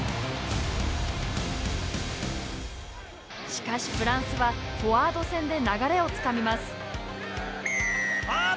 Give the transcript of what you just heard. しかしフランスはフォワード戦で流れをつかみますあっ！